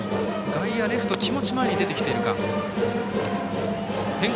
外野、レフト気持ち前に出てきているか。